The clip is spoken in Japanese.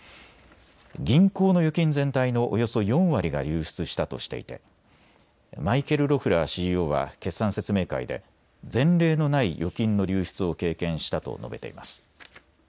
銀行の預金全体のおよそ４割が流出したとしていてマイケル・ロフラーＣＥＯは決算説明会で前例のない預金の流出を経験したと述べています。